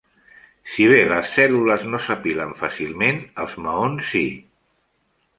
Si bé les cèl·lules no s'apilen fàcilment, els maons sí.